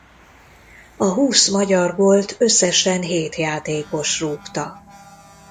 A húsz magyar gólt összesen hét játékos rúgta.